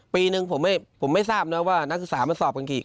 ปีหนึ่งผมไม่ผมไม่ทราบเนอะว่านักศึกษามันสอบกันกี่